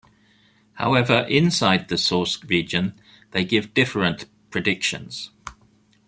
However, inside the source region they give different predictions.